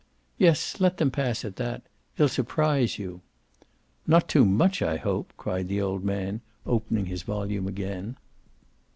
"Yes, let them pass at that. They'll surprise you." "Not too much, I hope!" cried the old man, opening his volume again.